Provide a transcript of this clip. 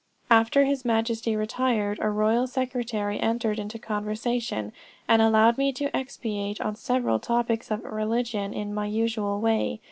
"After his Majesty retired, a royal secretary entered into conversation, and allowed me to expatiate on several topics of religion in my usual way.